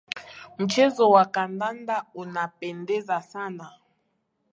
Mchezo wa kandanda unapendeza sana.